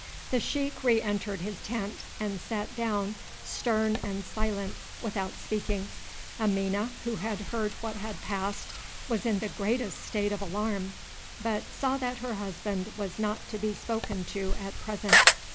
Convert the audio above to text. The sheik re entered his tent and sat down stern and silent without speaking. Amina, who had heard what had passed, was in the greatest state of alarm, but saw that her husband was not to be spoken to at present.